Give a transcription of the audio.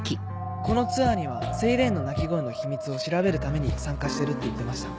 このツアーにはセイレーンの哭き声の秘密を調べるために参加してるって言ってました。